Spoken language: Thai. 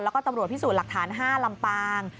แล้วก็ตำรวจพิสูจน์หลักฐาน๕ลำปาง